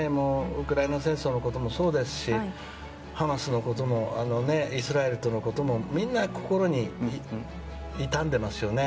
ウクライナ戦争のこともそうですしハマスのこともイスラエルとのこともみんな心が痛んでいますよね。